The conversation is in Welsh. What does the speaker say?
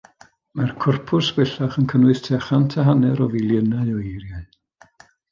Mae'r corpws bellach yn cynnwys tua chant a hanner o filiynau o eiriau.